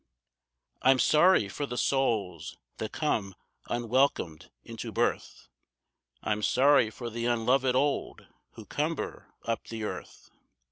I'm sorry for the souls that come unwelcomed into birth, I'm sorry for the unloved old who cumber up the earth.